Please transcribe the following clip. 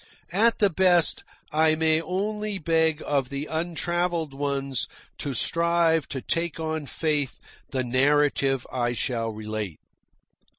At the best, I may only beg of the untravelled ones to strive to take on faith the narrative I shall relate.